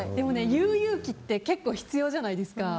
言う勇気って必要じゃないですか。